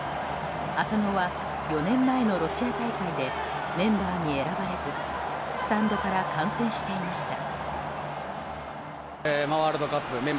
浅野は４年前のロシア大会でメンバーに選ばれずスタンドから観戦していました。